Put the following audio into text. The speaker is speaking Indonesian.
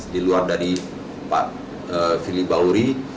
di luar dari pak fili bauri